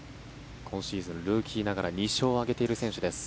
今シーズン、ルーキーながら２勝を挙げている選手です。